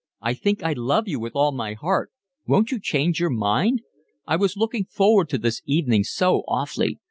I think I love you with all my heart. Won't you change your mind? I was looking forward to this evening so awfully.